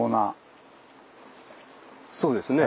そうですね。